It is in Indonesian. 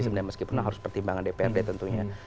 sebenarnya meskipun harus pertimbangan dprd tentunya